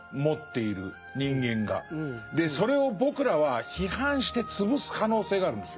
それを僕らは批判して潰す可能性があるんですよ。